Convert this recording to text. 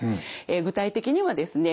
具体的にはですね